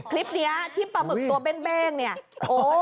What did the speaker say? คลิปนี้ที่ปลาหมึกตัวเบ้งเนี่ยโอ้